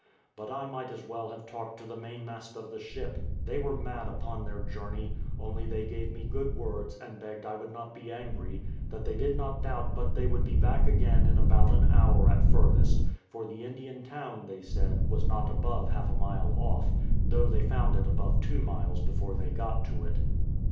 But I might as well have talked to the mainmast of the ship: they were mad upon their journey; only they gave me good words, and begged I would not be angry; that they did not doubt but they would be back again in about an hour at furthest; for the Indian town, they said, was not above half a mile off, though they found it above two miles before they got to it.